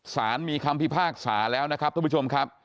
สารมีคำพิพากษาแล้วนะครับทุกผู้ชมครับ